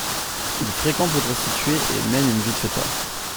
Il fréquente les prostituées et mène une vie de fêtard.